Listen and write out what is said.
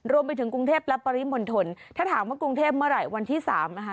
รวมไปถึงกรุงเทพและปริมณฑลถ้าถามว่ากรุงเทพเมื่อไหร่วันที่สามนะคะ